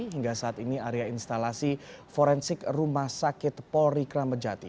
hingga saat ini area instalasi forensik rumah sakit polri kramat jati